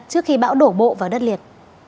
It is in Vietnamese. trước khi bão đổ bộ vào đất liệt